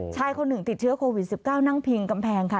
ชายคนหนึ่งติดเชื้อโควิด๑๙นั่งพิงกำแพงค่ะ